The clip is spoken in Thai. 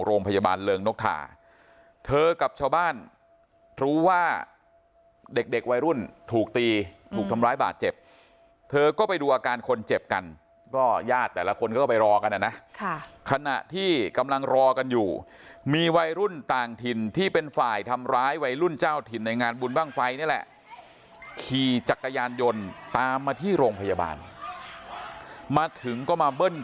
โรงพยาบาลสมเด็จพระยุพราชเรืองนกทาตำบลสวาสตร์อำเภอเรืองนกทาจังหวัดยสโทรณ